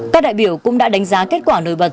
các đại biểu cũng đã đánh giá kết quả nổi bật